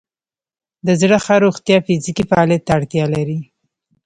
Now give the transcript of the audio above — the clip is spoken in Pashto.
د زړه ښه روغتیا فزیکي فعالیت ته اړتیا لري.